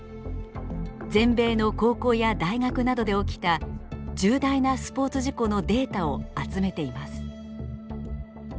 全米の高校や大学などで起きた重大なスポーツ事故のデータを集めています。